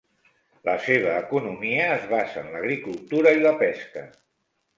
La seva economia es basa en l'agricultura i la pesca.